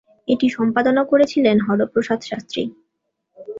এটি সম্পাদনা করেছিলেন হরপ্রসাদ শাস্ত্রী।